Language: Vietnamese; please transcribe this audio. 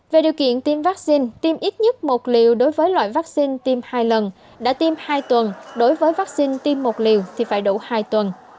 về điều kiện tiêm vaccine tiêm ít nhất một liều đối với loại vaccine tiêm hai lần đã tiêm hai tuần đối với vaccine tiêm một liều thì phải đủ hai tuần